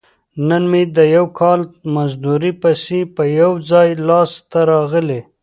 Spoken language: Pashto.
نن مې د یو کال مزدورۍ پیسې په یو ځای لاس ته راغلي.